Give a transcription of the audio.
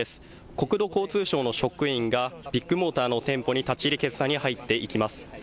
国土交通省の職員がビッグモーターの店舗に立ち入り検査に入っていきます。